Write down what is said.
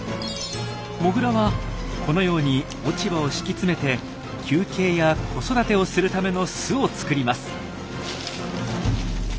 モグラはこのように落ち葉を敷き詰めて休憩や子育てをするための巣を作ります。